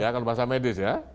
kalau bahasa medis ya